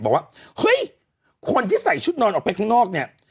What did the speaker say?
บอกว่าเฮ้ยคนที่ใส่ชุดนอนออกไปข้างนอกเนี่ย